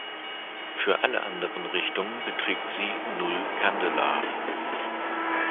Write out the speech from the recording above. Für alle anderen Richtungen beträgt sie Null Candela.